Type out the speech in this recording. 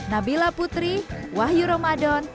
nabila putri wahyu ramadan